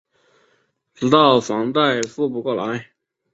直到房贷付不出来